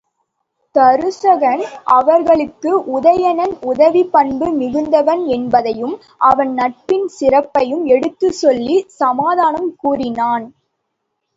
தருசகன் அவர்களுக்கு, உதயணன் உதவிப் பண்பு மிகுந்தவன் என்பதையும் அவன் நட்பின் சிறப்பையும், எடுத்துச் சொல்லிச் சமாதானம் கூறினான்.